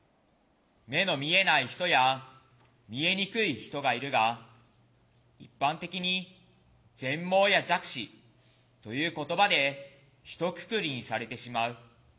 目の見えない人や見えにくい人がいるが一般的に「全盲」や「弱視」という言葉でひとくくりにされてしまう。